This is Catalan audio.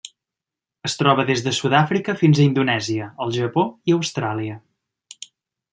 Es troba des de Sud-àfrica fins a Indonèsia, el Japó i Austràlia.